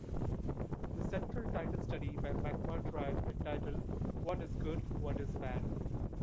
The central title study by McMurtry, entitled, What is Good, What is Bad?